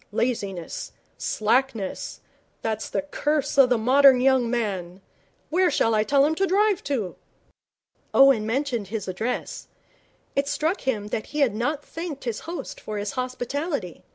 'Laziness slackness that's the curse of the modern young man. Where shall I tell him to drive to?' Owen mentioned his address. It struck him that he had not thanked his host for his hospitality.